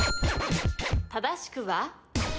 正しくは？